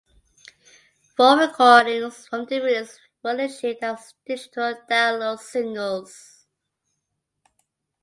Four recordings from the release were issued as digital download singles.